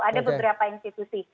ada beberapa institusi